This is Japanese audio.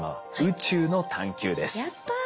やった。